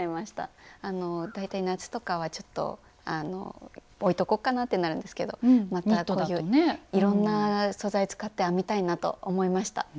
大体夏とかはちょっと置いとこっかなってなるんですけどまたこういういろんな素材使って編みたいなと思いました。